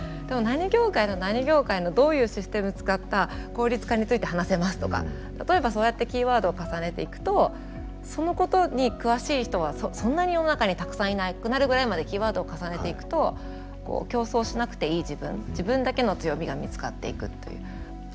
でも何業界の何業界のどういうシステム使った効率化について話せますとか例えばそうやってキーワードを重ねていくとそのことに詳しい人はそんなに世の中にたくさんいなくなるぐらいまでキーワードを重ねていくと競争しなくていい自分自分だけの強みが見つかっていくという。